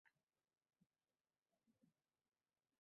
Toʻrt tomoning qibla